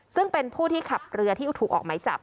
ซึ่งเป็นผู้ที่ขับเรือที่ถูกออกไหมจับ